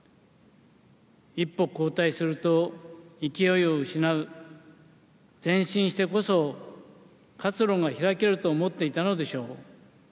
一歩後退すると勢いを失う、前進してこそ活路が開けると思っていたのでしょう。